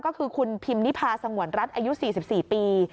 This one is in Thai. ก็คือคุณพิมนิพาสงวนรัฐอายุ๔๔ปี